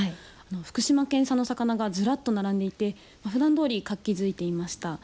福島県産の魚がずらっと並んでいてふだんどおり活気づいていました。